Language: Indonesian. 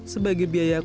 sebagai biaya kompensasi